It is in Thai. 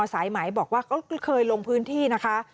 สายไหมบอกว่าก็เคยลงพื้นที่นะคะ